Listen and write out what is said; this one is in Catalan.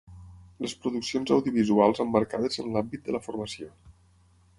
Les produccions audiovisuals emmarcades en l'àmbit de la formació.